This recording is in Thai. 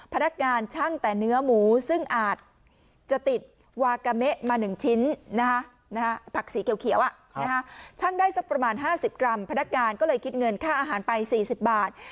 พนักงานช่างแต่เนื้อหมูซึ่งอาจจะติดวากาเมะมา๑ชิ้น